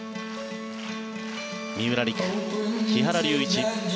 三浦璃来・木原龍一